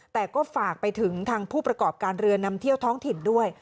แต่ก็ฝากไปถึงทางผู้ประกอบการเรือนำเที่ยวท้องถิ่นด้วย